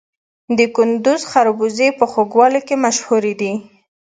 د کندز خربوزې په خوږوالي کې مشهورې دي.